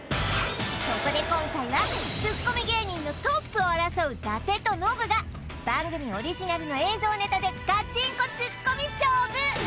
そこで今回はツッコミ芸人のトップを争う伊達とノブが番組オリジナルの映像ネタでガチンコツッコミ勝負！